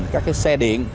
các cái xe điện